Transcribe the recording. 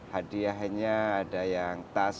hadiahnya ada yang tas